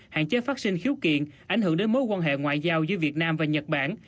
hạn chế phát sinh khiếu kiện ảnh hưởng đến mối quan hệ ngoại giao giữa việt nam và nhật bản